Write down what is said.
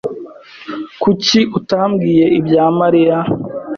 Kuki utabwiye ibya Mariya?